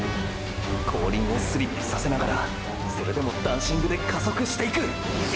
後輪をスリップさせながらそれでもダンシングで加速していく！！